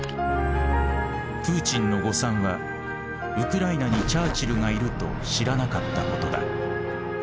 「プーチンの誤算はウクライナにチャーチルがいると知らなかったことだ」。